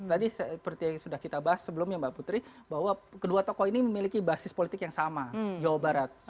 tadi seperti yang sudah kita bahas sebelumnya mbak putri bahwa kedua tokoh ini memiliki basis politik yang sama jawa barat